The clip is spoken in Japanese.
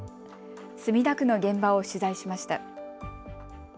墨田区の現場を取材しました。